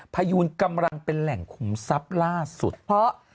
พยูนกำลังเป็นแหล่งขุมทรัพย์ล่าสุดเพราะ